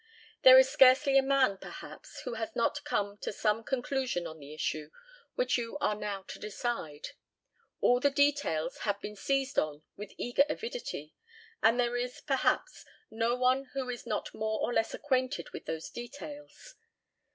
There is scarcely a man, perhaps, who has not come to some conclusion on the issue which you are now to decide. All the details have been seized on with eager avidity, and there is, perhaps, no one who is not more or less acquainted with those details.